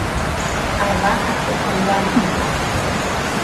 Ava ha tekogua rehegua.